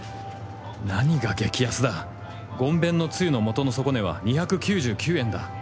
何が激安だごんべんのつゆの素の底値は２９９円だ。